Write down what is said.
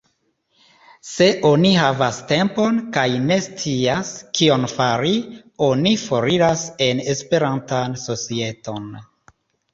Se oni havas tempon kaj ne scias, kion fari, oni foriras en Esperantan societon.